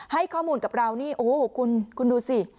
ให้ข้อมูลกับเรานี่โอ้โหคุณดูสิ